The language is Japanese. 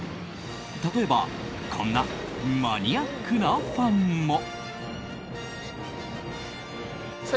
例えば、こんなマニアックなファンも。